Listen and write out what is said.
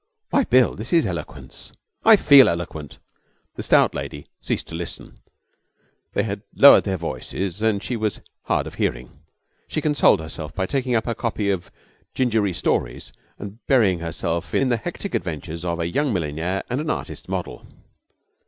'Why, Bill, this is eloquence.' 'I feel eloquent.' The stout lady ceased to listen. They had lowered their voices and she was hard of hearing. She consoled herself by taking up her copy of Gingery Stories and burying herself in the hectic adventures of a young millionaire and an artist's model.